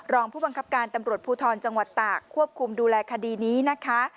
รองผู้บังคับการตำรวจภูทรจังหวัดตากควบคุมดูแลคดีนี้นะคะ